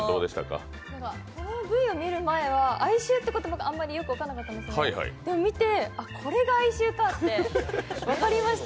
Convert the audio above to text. Ｖを見る前は愛愁って言葉がよく分からなかったんですけどでも見て、これが愛愁かって分かりました。